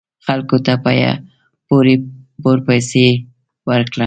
خلکو ته په پور پیسې ورکړه .